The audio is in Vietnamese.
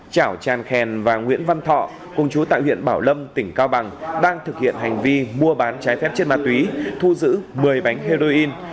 trảo tràn khèn và nguyễn văn thọ cùng chú tại huyện bảo lâm tỉnh cao bằng đang thực hiện hành vi mua bán trái phép chất ma túy thu giữ một mươi bánh heroin